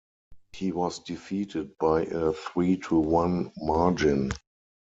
He was defeated by a three-to-one margin.